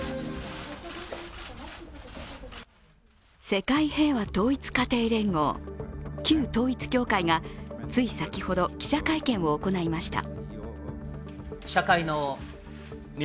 世界平和統一家庭連合、旧統一教会がつい先ほど記者会見を行いました。